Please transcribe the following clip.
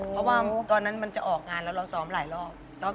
เพราะว่าตอนนั้นมันจะออกงานแล้วเราซ้อมหลายรอบ